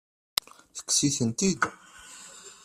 Tekkes-iten-id?